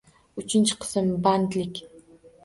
Uchinchi qism. Bandlik